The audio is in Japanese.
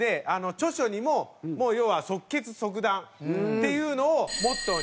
著書にももう要は即決即断というのをモットーに。